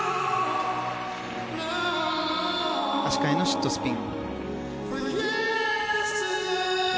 足換えシットスピン。